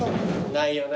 ないよな。